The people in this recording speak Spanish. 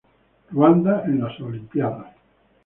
Ruanda en las Olimpíadas